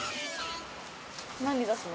何出すの？